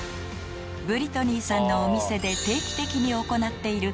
［ブリトニーさんのお店で定期的に行っている］